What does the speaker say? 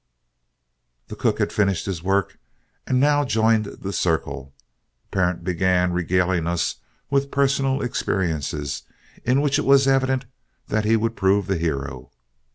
'" The cook had finished his work, and now joined the circle. Parent began regaling us with personal experiences, in which it was evident that he would prove the hero.